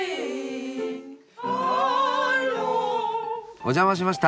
お邪魔しました。